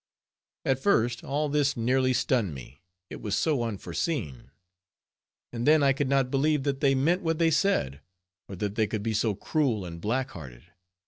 At first, all this nearly stunned me, it was so unforeseen; and then I could not believe that they meant what they said, or that they could be so cruel and black hearted.